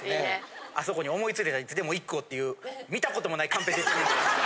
あそこに「思いついたらいつでも一句を！」っていう見たこともないカンペ出てるんで。